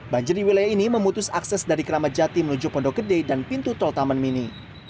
banjir di wilayah ini memutus akses dari keramat jati menuju pondok gede dan pintu tol taman mini